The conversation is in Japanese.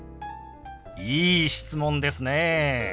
いい質問ですね。